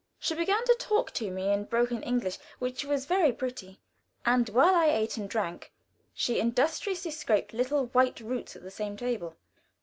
She began to talk to me in broken English, which was very pretty, and while I ate and drank, she industriously scraped little white roots at the same table.